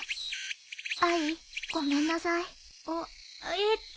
えっと。